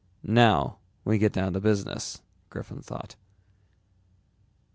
Now we get down to business, Griffin thought.